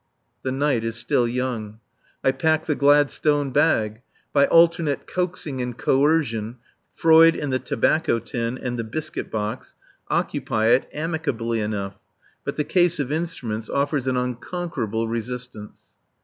The night is still young. I pack the Gladstone bag. By alternate coaxing and coercion Freud and the tobacco tin and the biscuit box occupy it amicably enough; but the case of instruments offers an unconquerable resistance.